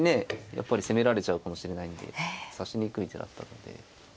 やっぱり攻められちゃうかもしれないんで指しにくい手だったので。